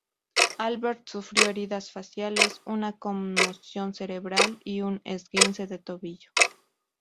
Albert sufrió heridas faciales, una conmoción cerebral y un esguince de tobillo.